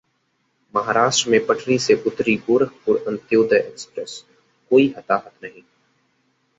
महाराष्ट्र में पटरी से उतरी गोरखपुर अंत्योदय एक्सप्रेस, कोई हताहत नहीं